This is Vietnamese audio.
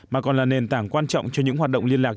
mà còn là nền tảng quan trọng cho những hoạt động liên lạc